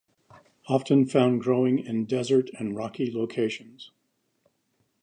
Often found growing in desert and rocky locations.